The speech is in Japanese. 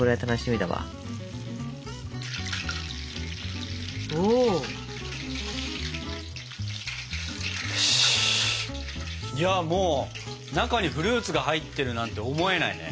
いやもう中にフルーツが入ってるなんて思えないね。